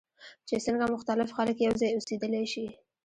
چې څنګه مختلف خلک یوځای اوسیدلی شي.